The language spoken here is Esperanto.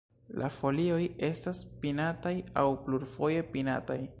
La folioj estas pinataj aŭ plurfoje pinataj.